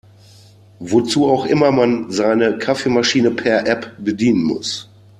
Wozu auch immer man seine Kaffeemaschine per App bedienen muss.